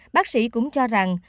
bác sĩ cũng cho rằng